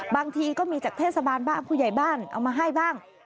บางทีก็มีจากเทศบาลบ้างผู้ใหญ่บ้านเอามาให้บ้าง